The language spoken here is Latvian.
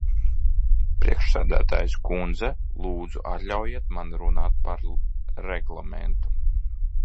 Priekšsēdētājas kundze, lūdzu, atļaujiet man runāt par Reglamentu.